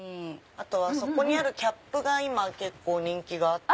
あとはそこにあるキャップが今結構人気があって。